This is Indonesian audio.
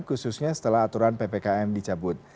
khususnya setelah aturan ppkm dicabut